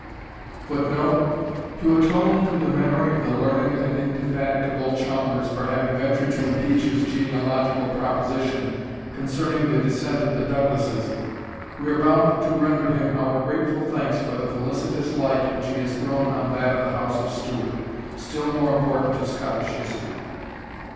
_ [Footnote: To atone to the memory of the learned and indefatigable Chalmers for having ventured to impeach his genealogical proposition concerning the descent of the Douglasses, we are bound to render him our grateful thanks for the felicitous light which he has thrown on that of the House of Stewart, still more important to Scottish history.